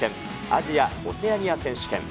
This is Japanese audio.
アジア・オセアニア選手権。